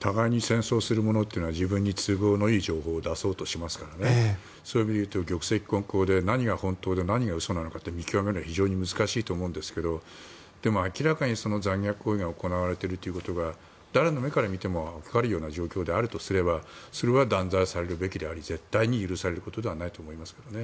互いに戦争する者は自分に都合のいい情報を出そうとしますからねそれでいうと玉石混交で何が本当で何が嘘かというのを見極めるのは難しいですがでも、明らかに残虐行為が行われているということが誰の目にもわかる状況で行われているのであればそれは断罪されるべきであり絶対に許されることではないと思います。